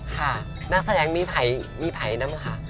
ค่ะนักแสดงมีภัยมีภัยนะเมื่อก่อน